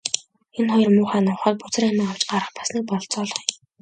Энэ хоёр муухай нохойд бузар амиа авч гарах бас нэг бололцоо олгоё.